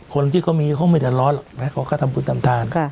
คนที่เขามีเขาไม่แต่ร้อนแล้วเขาก็ทำบุญตามทาน